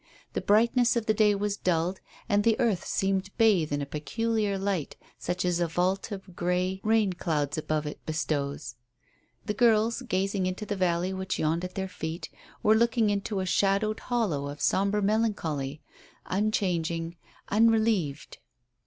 The brightness of the day was dulled, and the earth seemed bathed in a peculiar light such as a vault of grey rain clouds above it bestows. The girls, gazing into the valley which yawned at their feet, were looking into a shadowed hollow of sombre melancholy unchanging, unrelieved.